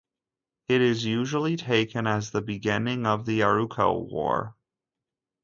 It is usually taken as the beginning of the Arauco War.